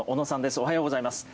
おはようございます。